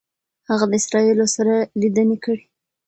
هغه د اسرائیلو سره لیدنې کړي دي.